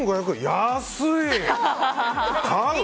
安い！